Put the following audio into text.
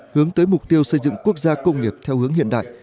hướng tới mục tiêu xây dựng quốc gia công nghiệp theo hướng hiện đại